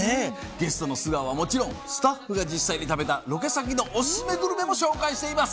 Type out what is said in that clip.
ゲストの素顔はもちろんスタッフが実際に食べたロケ先のお薦めグルメも紹介しています。